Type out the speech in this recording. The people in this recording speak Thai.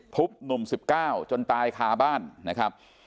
หนุ่ม๑๙จนตายคาบ้านนะครับ